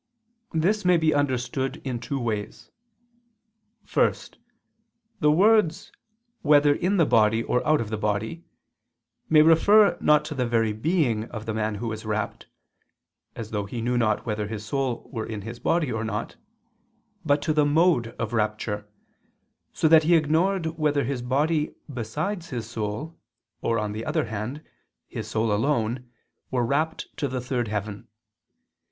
This may be understood in two ways. First, the words "whether in the body or out of the body" may refer not to the very being of the man who was rapt (as though he knew not whether his soul were in his body or not), but to the mode of rapture, so that he ignored whether his body besides his soul, or, on the other hand, his soul alone, were rapt to the third heaven.